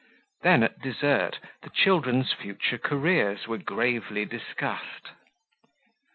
Then at dessert the children's future careers were gravely discussed.